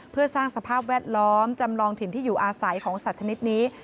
เพื่อสร้างสภาพแวดล้อมจำลองถิ่นที่อยู่อาศัยของสัตว์ชนิดนี้